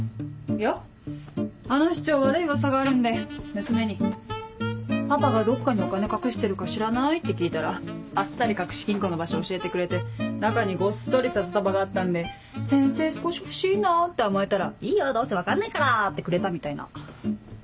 いやあの市長悪いウワサがあるんで娘に「パパがどっかにお金隠してるか知らない？」って聞いたらあっさり隠し金庫の場所教えてくれて中にごっそり札束があったんで「先生少し欲しいな」って甘えたら「いいよどうせ分かんないから」ってくれたみたいな。